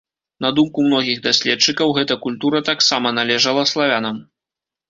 На думку многіх даследчыкаў, гэта культура таксама належала славянам.